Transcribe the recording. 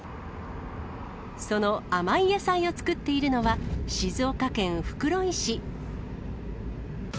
その甘い野菜を作っているのは、静岡県袋井市。